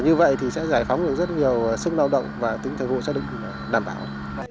như vậy thì sẽ giải phóng được rất nhiều sức lao động và tính thời gian đảm bảo